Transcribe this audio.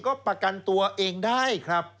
ก็ประกันตัวเองได้ครับ